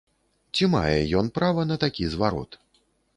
Ці мае ён права на такі зварот?